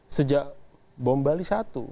itu juga bombali satu